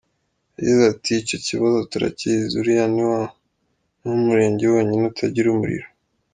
Yagize ati “Icyo kibazo turakizi, uriya ni wo murenge wonyine utagira umuriro.